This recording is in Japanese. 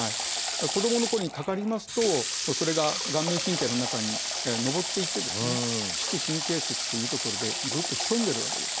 子どものころにかかりますとそれが顔面神経の中にのぼっていって「膝神経節」という所でずっと潜んでるわけです。